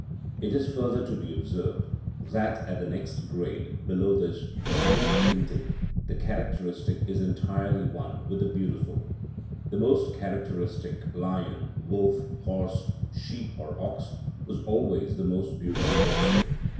It is further to be observed that at the next grade below this, animal painting, the characteristic is entirely one with the beautiful; the most characteristic lion, wolf, horse, sheep, or ox, was always the most beautiful also.